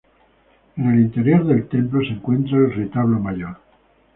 En el interior del templo se encuentra el retablo mayor.